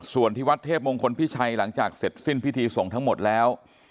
ส่วนที่วัดเทพมงคลพิชัยหลังจากเสร็จสิ้นพิธีส่งทั้งหมดแล้ว